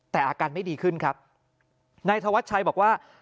แต่อาการไม่ดีขึ้นครับนายธวัชชัยบอกว่า